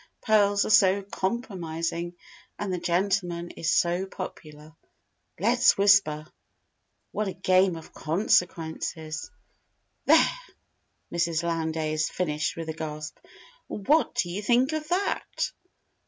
Pearls are so compromising. And the gentleman is so popular._ "Let's Whisper: What a game of Consequences!" "There!" Mrs. Lowndes finished with a gasp. "What do you think of that?"